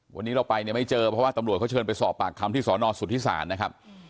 วันนี้เราไปเนี่ยไม่เจอเพราะว่าตำรวจเขาเชิญไปสอบปากคำที่สอนอสุทธิศาลนะครับ